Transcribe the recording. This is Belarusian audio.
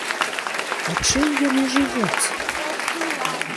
А чым яны жывуць?